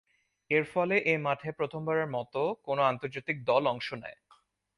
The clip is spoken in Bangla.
এরফলে এ মাঠে প্রথমবারের মতো কোন আন্তর্জাতিক দল অংশ নেয়।